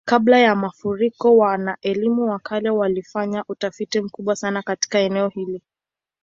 Kabla ya mafuriko, wana-elimu wa kale walifanya utafiti mkubwa sana katika eneo hili.